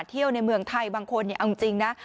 เที่ยวในเมืองไทยบางคนเนี่ยเอาจริงนะ